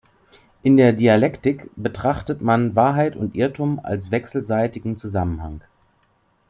In der Dialektik betrachtet man Wahrheit und Irrtum als wechselseitigen Zusammenhang.